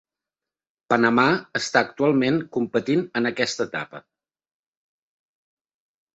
Panamà està actualment competint en aquesta etapa.